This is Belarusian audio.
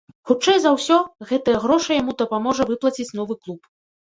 Хутчэй за ўсё, гэтыя грошы яму дапаможа выплаціць новы клуб.